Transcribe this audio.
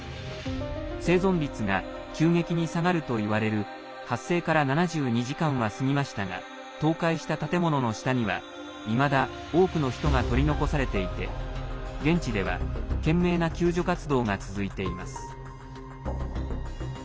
生存率が急激に下がるといわれる発生から７２時間は過ぎましたが倒壊した建物の下には、いまだ多くの人が取り残されていて現地では懸命な救助活動が続いています。